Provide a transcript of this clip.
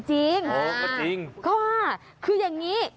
จริงก็ว่าคืออย่างนี้